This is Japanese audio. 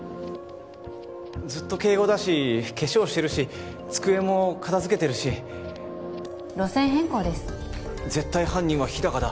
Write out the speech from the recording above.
ずっと敬語だし化粧してるし机も片づけてるし路線変更です「絶対犯人は日高だ」